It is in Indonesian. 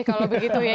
iya ini lebih keren